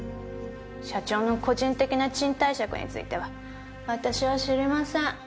社長の個人的な賃貸借については私は知りません。